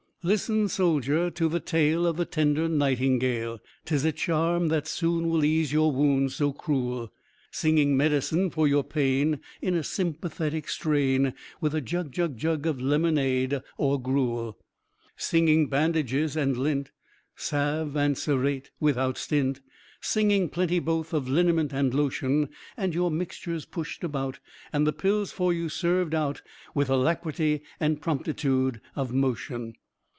Listen, soldier, to the tale of the tender nightingale, 'Tis a charm that soon will ease your wounds so cruel, Singing medicine for your pain, in a sympathetic strain, With a jug, jug, jug of lemonade or gruel. Singing bandages and lint; salve and cerate without stint, Singing plenty both of liniment and lotion, And your mixtures pushed about, and the pills for you served out With alacrity and promptitude of motion.